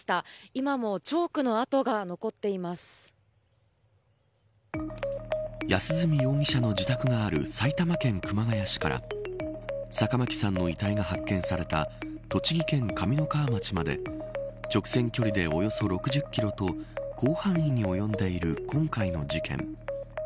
今もチョークの跡が安栖容疑者の自宅がある埼玉県熊谷市から坂巻さんの遺体が発見された栃木県上三川町まで直線距離で、およそ６０キロと広範囲におよんでいる今回の事件。